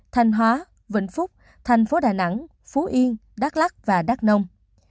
thanh hóa vĩnh phúc thành phố đà nẵng phú yên đắk lắc và đắk nông